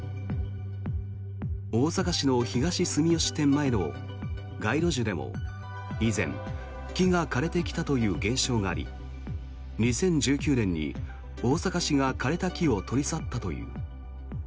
大阪市の東住吉店前の街路樹でも以前、木が枯れてきたという現象があり２０１９年に大阪市が枯れた木を取り去ったという。